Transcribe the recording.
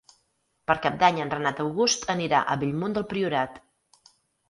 Per Cap d'Any en Renat August anirà a Bellmunt del Priorat.